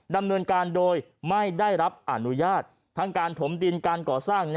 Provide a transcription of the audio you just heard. ดำเนินการโดยไม่ได้รับอนุญาตทั้งการถมดินการก่อสร้าง